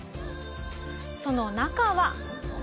「その中は」